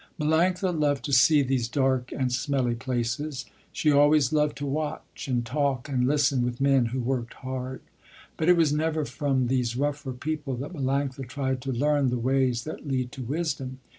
Melanctha loved to see these dark and smelly places. She always loved to watch and talk and listen with men who worked hard. But it was never from these rougher people that Melanctha tried to learn the ways that lead to wisdom.